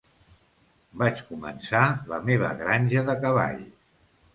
Vaig començar la meva granja de cavalls.